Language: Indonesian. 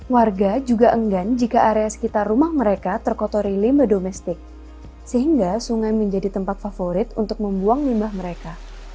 warga juga enggan jika area sekitar rumah mereka terkotori limbah domestik sehingga sungai menjadi tempat favorit untuk membuang limbah mereka